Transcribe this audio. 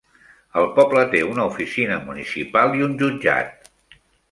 El poble té una oficina municipal i un jutjat.